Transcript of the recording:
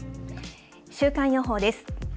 週間予報です。